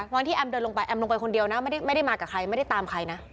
วันที่แอมเดินลงไปแอมลงไปคนเดียวนะไม่ได้มากับใครไม่ได้ตามใครนะ